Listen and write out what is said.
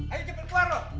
ayo cepet keluar lo